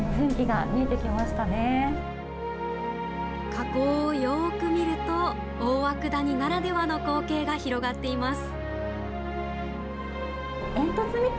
火口をよく見ると大涌谷ならではの光景が広がっています。